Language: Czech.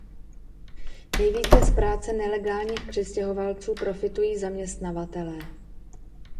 Nejvíce z práce nelegálních přistěhovalců profitují zaměstnavatelé.